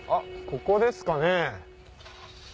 ここですかね？